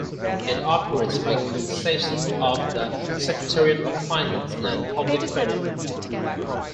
It operates by concession of the Secretariat of Finance and Public Credit.